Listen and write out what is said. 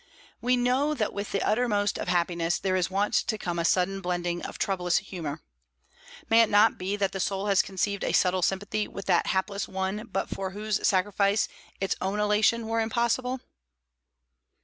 We know that with the uttermost of happiness there is wont to come a sudden blending of troublous humour. May it not be that the soul has conceived a subtle sympathy with that hapless one but for whose sacrifice its own elation were impossible?